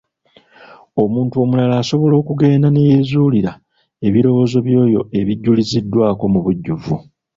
Omuntu omulala asobola okugenda ne yeezuulira ebirowoozo by'oyo ebijuliziddwako mu bujjuvu.